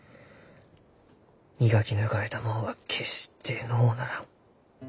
磨き抜かれたもんは決してのうならん。